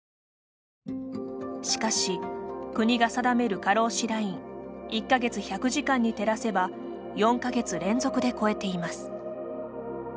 しかし、国が定める過労死ライン「１か月１００時間」に照らせば４か月連続で超えています。